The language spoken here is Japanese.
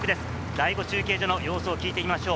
第５中継所の様子を聞いてみましょう。